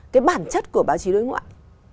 cái bản chất của báo chí đối ngoại